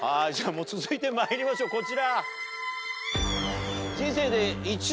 続いてまいりましょうこちら。